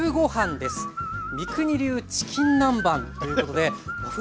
三國流チキン南蛮ということで和風